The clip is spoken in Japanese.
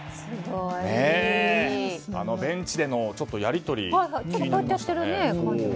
ベンチでのやり取り気になりますよね。